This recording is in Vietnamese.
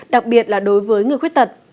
đặc biệt là đối với người khuyết tật